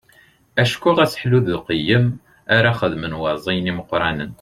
Acku aselḥu d uqeyyem ara xedmen waẓiyen imeqqranen.